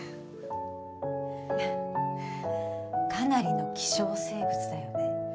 フッかなりの希少生物だよね。